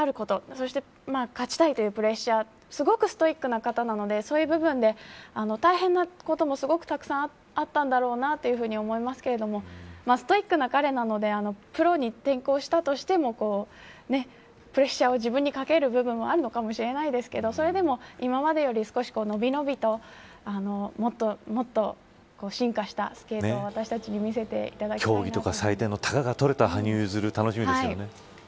そして勝ちたいというプレッシャー、すごくストイックな方なのでそういう部分で大変なこともすごくたくさんあったんだろうなというふうに思いますけどストイックな彼なのでプロに転向したとしてもプレッシャーを自分にかける部分はあるのかもしれないですけれどそれでも今までより少しのびのびともっと進化したスケートを私たちに見せていただきたいなと。